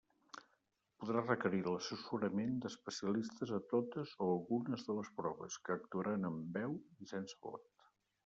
Podrà requerir l'assessorament d'especialistes a totes o algunes de les proves, que actuaran amb veu i sense vot.